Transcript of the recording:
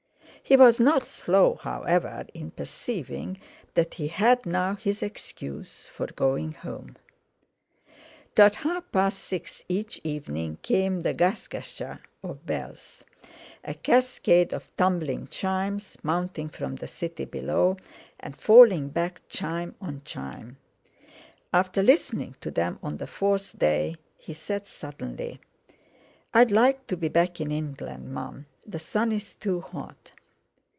He was not slow, however, in perceiving that he had now his excuse for going home. Toward half past six each evening came a "gasgacha" of bells—a cascade of tumbling chimes, mounting from the city below and falling back chime on chime. After listening to them on the fourth day he said suddenly: "I'd like to be back in England, Mum, the sun's too hot."